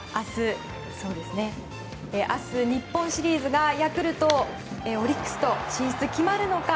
明日、日本シリーズがヤクルト、オリックスと進出が決まるのか